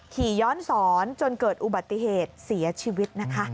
ขี่ย้อนสอนจนเกิดอุบัติเหตุเสียชีวิตนะคะ